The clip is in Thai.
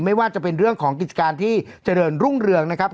ไม่ว่าจะเป็นเรื่องของกิจการที่เจริญรุ่งเรืองนะครับ